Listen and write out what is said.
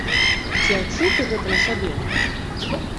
Ці адчуў ты гэта на сабе?